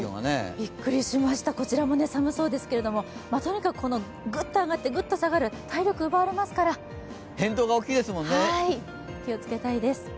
びっくりしました、こちらも寒そうですが、とにかくグッと上がってグッと下がる、体力奪われますから、気をつけたいです。